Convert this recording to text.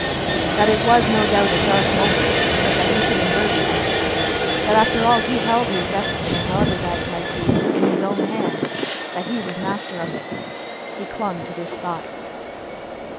That it was, no doubt, a dark moment, but that he should emerge from it; that, after all, he held his destiny, however bad it might be, in his own hand; that he was master of it. He clung to this thought.